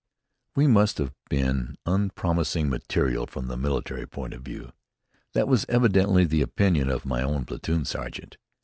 We must have been unpromising material from the military point of view. That was evidently the opinion of my own platoon sergeant.